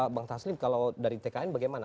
bang taslim kalau dari tkn bagaimana